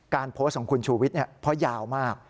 โพสต์ของคุณชูวิทย์เพราะยาวมาก